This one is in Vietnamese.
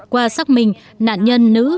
qua xác minh nạn nhân nữ